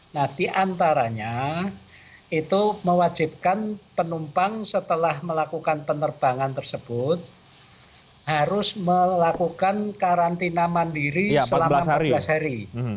nah diantaranya itu mewajibkan penumpang setelah melakukan penerbangan tersebut harus melakukan karantina mandiri selama empat belas hari